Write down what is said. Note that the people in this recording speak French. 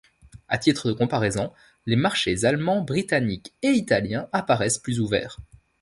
À titre de comparaison, les marchés allemand, britannique et italien apparaissent plus ouverts.